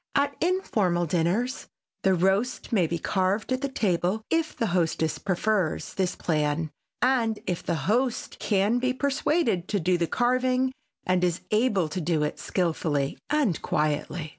At informal dinners the roast may be carved at the table if the hostess prefers this plan and if the host can be persuaded to do the carving and is able to do it skilfully and quietly.